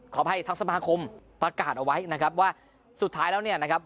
ขออภัยทางสมาคมประกาศเอาไว้นะครับว่าสุดท้ายแล้วเนี่ยนะครับ